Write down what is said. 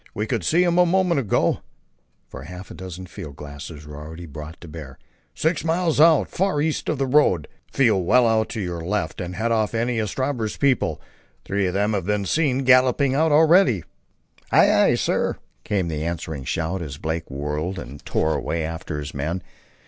"We could see him a moment ago," for half a dozen field glasses were already brought to bear, "six miles out, far east of the road. Feel well out to your left to head off any of Stabber's people. Three of them have been seen galloping out already." "Aye, aye, sir," came the answering shout, as Blake whirled and tore away after his men.